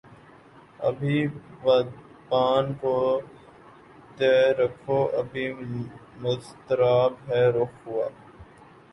ابھی بادبان کو تہ رکھو ابھی مضطرب ہے رخ ہوا